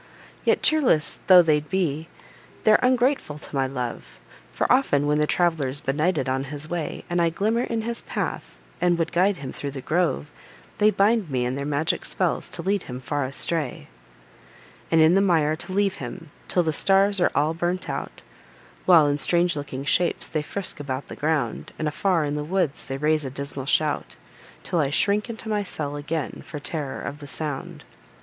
Yet cheerless tho' they'd be, they're ungrateful to my love! For, often when the traveller's benighted on his way, And I glimmer in his path, and would guide him thro' the grove, They bind me in their magic spells to lead him far astray; And in the mire to leave him, till the stars are all burnt out, While, in strange looking shapes, they frisk about the ground, And, afar in the woods, they raise a dismal shout, Till I shrink into my cell again for terror of the sound!